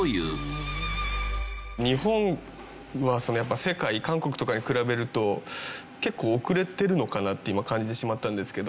日本はやっぱ世界韓国とかに比べると結構遅れてるのかなって今感じてしまったんですけど。